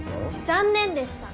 残念でした。